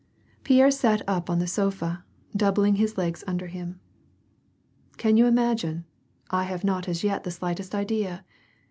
Pierre sat up on the sofa, doubling his legs under him. ''Can you imagine, I have not as yet the slightest idea.